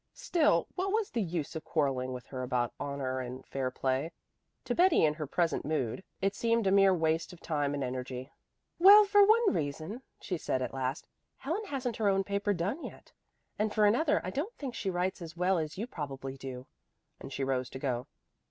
Still, what was the use of quarreling with her about honor and fair play? To Betty in her present mood it seemed a mere waste of time and energy. "Well, for one reason," she said at last, "Helen hasn't her own paper done yet, and for another I don't think she writes as well as you probably do;" and she rose to go.